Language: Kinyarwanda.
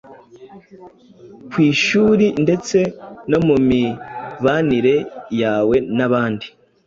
ku ishuli ndetse no mu mibanire yawe n’abandi